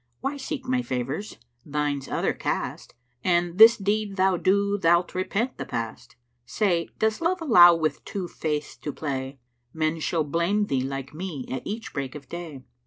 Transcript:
Why seek my favours? Thine's other caste; An this deed thou do thou'lt repent the past. Say, does Love allow with two Faiths to play? Men shall blame thee like me, at each break of day!